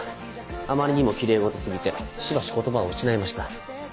あまりにもきれい事過ぎてしばし言葉を失いました。